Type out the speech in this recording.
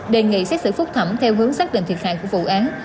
đề nghị xét xử phúc thẩm theo hướng xác định thiệt hại của vụ án